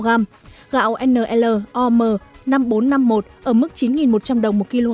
giá gạo nl om năm nghìn bốn trăm năm mươi một ở mức chín một trăm linh đồng một kg